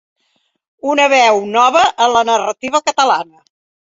Una veu nova en la narrativa catalana.